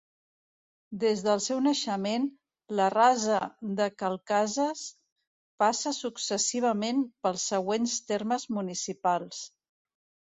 Des del seu naixement, la Rasa de Cal Cases passa successivament pels següents termes municipals.